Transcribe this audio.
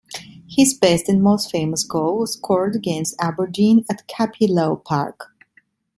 His best and most famous goal was scored against Aberdeen at Cappielow Park.